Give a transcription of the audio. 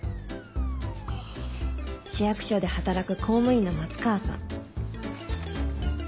市役所で働く公務員の松川さん